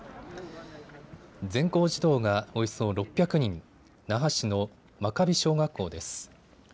全校児童がおよそ６００人、那覇市の真嘉比小学校です。